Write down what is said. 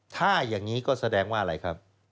ถ้าอย่างนี้ก็แสดงว่าอะไรครับ